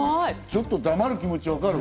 ちょっと黙る気持ち、わかる。